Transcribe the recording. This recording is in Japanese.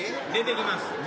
出てきます。